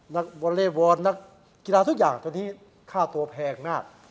วอเล่วอนนักกีฬาทุกอย่างตอนนี้ค่าตัวแพงมาก